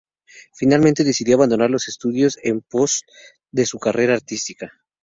Finalmente decidió abandonar los estudios en pos de su carrera artística.